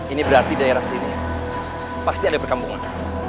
ini berarti daerah sini pasti ada perkampungan